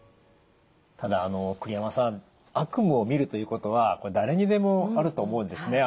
ただ栗山さん悪夢をみるということはこれ誰にでもあると思うんですね。